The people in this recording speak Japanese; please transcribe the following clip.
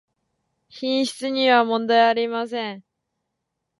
品質にはもんだいありません